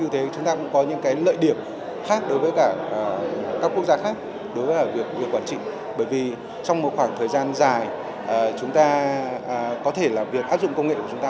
trong một khoảng thời gian dài chúng ta có thể là việc áp dụng công nghệ của chúng ta